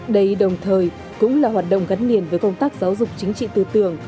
đây đồng thời cũng là hoạt động gắn liền với công tác giáo dục chính trị tư tưởng